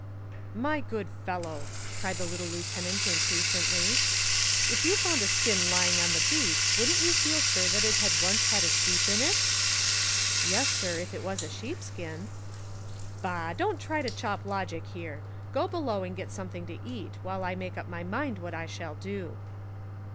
"My good fellow," cried the little lieutenant impatiently, "if you found a skin lying on the beach, wouldn't you feel sure that it had once had a sheep in it?" "Yes, sir, if it was a sheepskin." "Bah! Don't try to chop logic here; go below and get something to eat, while I make up my mind what I shall do."